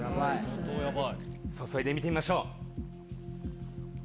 注いで見てみましょう。